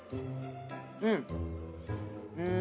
うん。